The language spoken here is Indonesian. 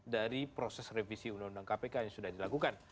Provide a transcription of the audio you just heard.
dari proses revisi undang undang kpk yang sudah dilakukan